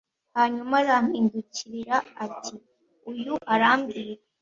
Hanyuma arampindukirira ati Uyu arambwira